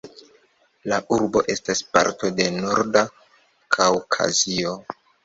La urbo estas parto de Norda Kaŭkazio.